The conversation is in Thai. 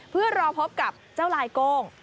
เพื่อรอพบกับเจ้าลายโก้ง